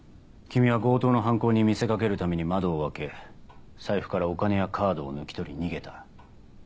君は強盗の犯行に見せ掛けるために窓を開け財布からお金やカードを抜き取り逃げた。